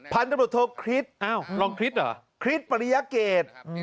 พันธุรกิจคริสต์ปริยาเกต